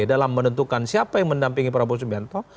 dalam menentukan siapa yang mendampingi prabowo subianto